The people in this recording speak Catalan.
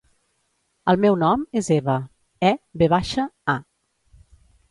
El meu nom és Eva: e, ve baixa, a.